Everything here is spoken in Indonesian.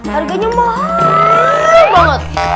harganya mahal banget